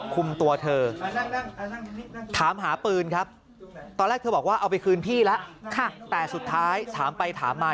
ตัวเธอถามหาปืนครับตอนแรกเธอบอกว่าเอาไปคืนพี่แล้วแต่สุดท้ายถามไปถามมา